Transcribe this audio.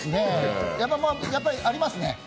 やっぱり、ありますね。